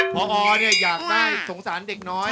พออยากได้สงสารเด็กน้อย